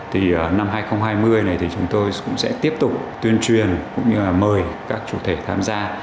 thì năm hai nghìn hai mươi này thì chúng tôi cũng sẽ tiếp tục tuyên truyền cũng như là mời các chủ thể tham gia